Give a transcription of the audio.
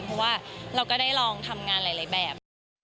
เพราะว่าเราก็ได้ลองทำงานหลายแบบ